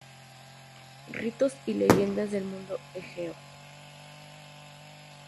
Ritos y leyendas del mundo egeo".